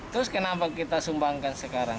terus kenapa kita sumbangkan sekarang